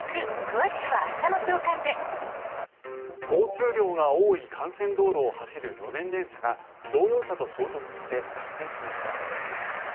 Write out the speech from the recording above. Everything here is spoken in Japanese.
交通量が多い幹線道路を走る路面電車が乗用車と衝突して脱線しました。